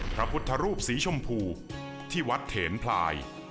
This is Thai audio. พระพุทธรูปสีชมพูที่วัดเถนพลาย